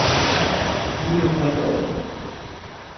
Julio Barroso